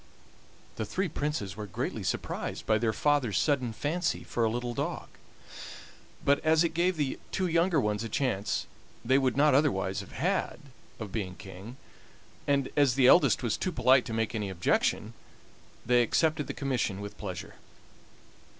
The three Princes were greatly surprised by their father's sudden fancy for a little dog, but as it gave the two younger ones a chance they would not otherwise have had of being king, and as the eldest was too polite to make any objection, they accepted the commission with pleasure.